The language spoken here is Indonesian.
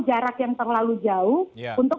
jarak yang terlalu jauh untuk